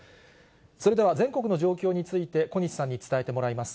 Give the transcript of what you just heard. それでは、全国の状況について、小西さんに伝えてもらいます。